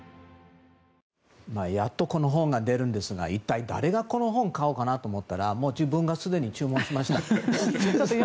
やっとこの本が出るんですが一体誰がこの本を買うのかなと思ったら自分がすでに注文しました。